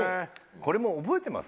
これも覚えてます？